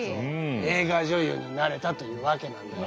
映画女優になれたというわけなんだよ。